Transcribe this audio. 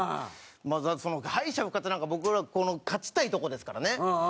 その敗者復活なんか僕ら勝ちたいとこですからね。